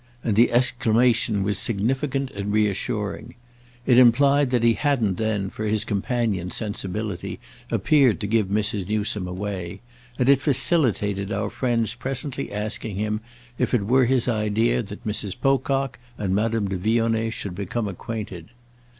—and the exclamation was significant and reassuring. It implied that he hadn't then, for his companion's sensibility, appeared to give Mrs. Newsome away; and it facilitated our friend's presently asking him if it were his idea that Mrs. Pocock and Madame de Vionnet should become acquainted.